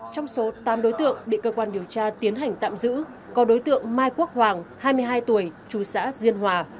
trong số tám đối tượng bị cơ quan điều tra tiến hành tạm giữ có đối tượng mai quốc hoàng hai mươi hai tuổi chú xã diên hòa